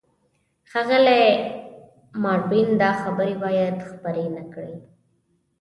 ښاغلی ماروین، دا خبرې باید خپرې نه کړې.